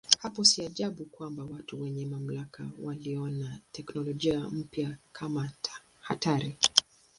Hapo si ajabu kwamba watu wenye mamlaka waliona teknolojia mpya kuwa hatari.